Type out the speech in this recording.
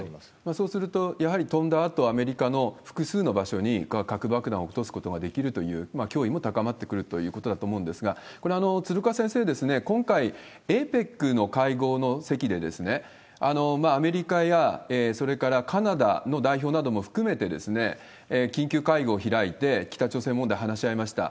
そうすると、やはり飛んだあとは、アメリカの複数の場所に核爆弾を落とすことができるという脅威も高まってくるということだと思うんですが、これ、鶴岡先生、今回、ＡＰＥＣの会合の席で、アメリカやそれからカナダの代表なども含めて緊急会合を開いて、北朝鮮問題、話し合いました。